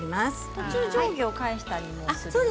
途中、上下を返したりしますか？